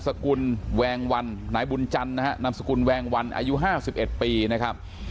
สกุลแวงวันนายบุญจันทร์นะฮะนามสกุลแวงวันอายุ๕๑ปีนะครับ